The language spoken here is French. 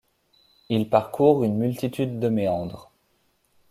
Il parcourt une multitude de méandres.